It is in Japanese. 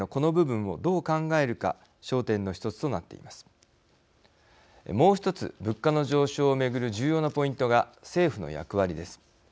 もう１つ、物価の上昇を巡る重要なポイントが政府の役割です。